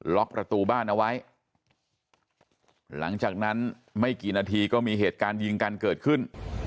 ประตูบ้านเอาไว้หลังจากนั้นไม่กี่นาทีก็มีเหตุการณ์ยิงกันเกิดขึ้น